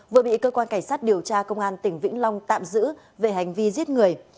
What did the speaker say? vừa bị cơ quan cảnh sát điều tra công an tỉnh vĩnh long tạm giữ về hành vi giết người